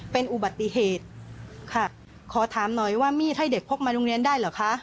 เป็นอุบัติเหตุค่ะขอถามหน่อยว่ามีดให้เด็กพกมาโรงเรียนได้เหรอคะ